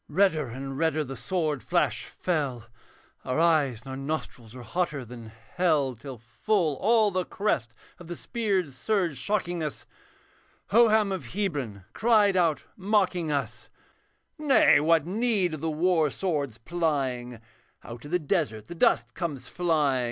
Redder and redder the sword flash fell. Our eyes and our nostrils were hotter than hell; Till full all the crest of the spear surge shocking us, Hoham of Hebron cried out mocking us, 'Nay, what need of the war sword's plying, Out of the desert the dust comes flying.